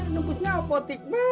nunggu nunggu nunggu